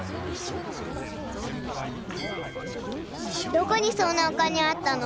どこにそんなお金あったの？